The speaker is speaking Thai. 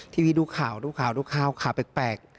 ทีวีดูข่าวข่าวแปลก